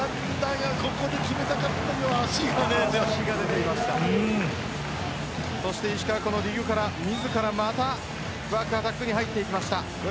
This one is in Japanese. いいラリーでしたがここで決めたかったのがそして石川、このディグから自ら、バックアタックに入っていきました。